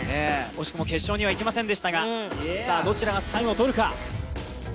惜しくも決勝にはいけませんでしたがさあ、どちらが３位を取るか。